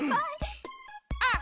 あっ！